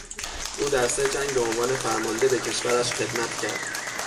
او در سه جنگ به عنوان فرمانده به کشورش خدمت کرد.